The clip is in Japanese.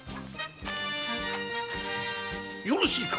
よろしいか？